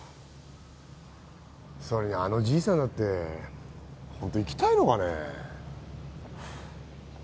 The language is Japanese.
それにあのじいさんだってホント生きたいのかね？